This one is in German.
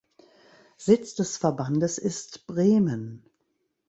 Sitz des Verbandes ist Bremen.